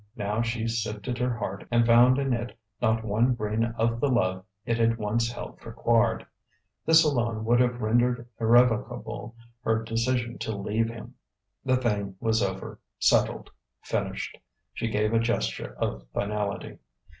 Now she sifted her heart and found in it not one grain of the love it had once held for Quard. This alone would have rendered irrevocable her decision to leave him. The thing was over settled finished. She gave a gesture of finality.